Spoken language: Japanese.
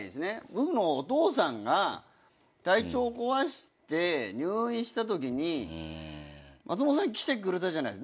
僕のお父さんが体調を壊して入院したときに松本さん来てくれたじゃないですか。